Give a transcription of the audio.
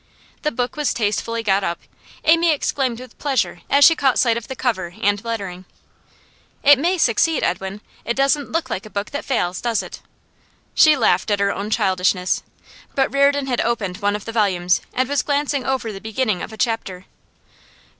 The book was tastefully got up; Amy exclaimed with pleasure as she caught sight of the cover and lettering: 'It may succeed, Edwin. It doesn't look like a book that fails, does it?' She laughed at her own childishness. But Reardon had opened one of the volumes, and was glancing over the beginning of a chapter.